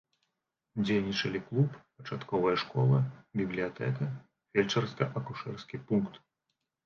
Дзейнічалі клуб, пачатковая школа, бібліятэка, фельчарска-акушэрскі пункт.